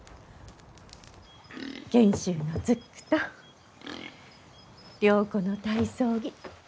賢秀のズックと良子の体操着。